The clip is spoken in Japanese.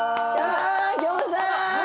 餃子！